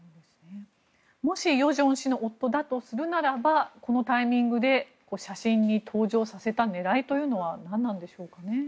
もし与正氏の夫だとするならばこのタイミングで写真に登場させた狙いというのは何なんでしょうかね。